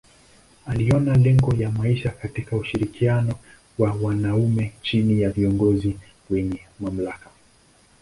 Aliona lengo ya maisha katika ushirikiano wa wanaume chini ya viongozi wenye mamlaka.